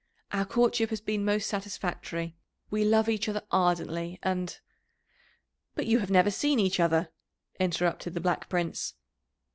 Our courtship has been most satisfactory. We love each other ardently, and " "But you have never seen each other!" interrupted the Black Prince.